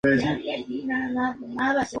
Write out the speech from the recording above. Ramillas más jóvenes verdosas.